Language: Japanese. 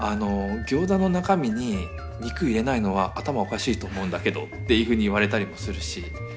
「ギョーザの中身に肉入れないのは頭おかしいと思うんだけど」っていうふうに言われたりもするし。